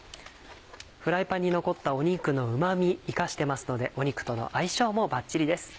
フライパンに残った肉のうま味生かしてますので肉との相性もバッチリです。